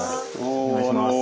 お願いします。